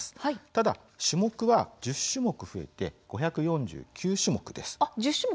ただ、種目は１０種目増えて５４９種目です。